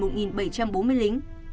gần một bảy trăm bốn mươi lính